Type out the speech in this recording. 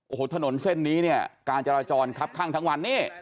โอโหถนนเส้นนี้การจะราจรคับข้างทั้งวัน